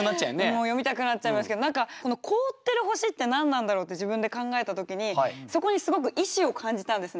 もう読みたくなっちゃいますけど何かこの「凍ってる星」って何なんだろうって自分で考えた時にそこにすごく意志を感じたんですね。